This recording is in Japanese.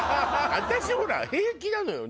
私ほら平気なのよ